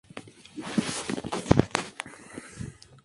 Más tarde, su actitud cambió.